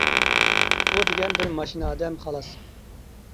ئۇ دېگەن بىر ماشىنا ئادەم، خالاس.